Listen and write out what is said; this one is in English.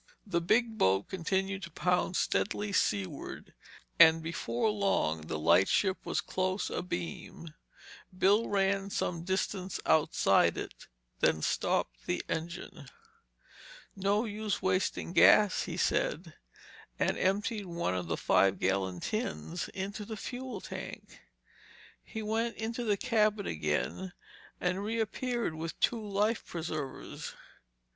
The big boat continued to pound steadily seaward and before long the lightship was close abeam. Bill ran some distance outside it, then stopped the engine. "No use wasting gas," he said, and emptied one of the five gallon tins into the fuel tank. He went into the cabin again and reappeared with two life preservers.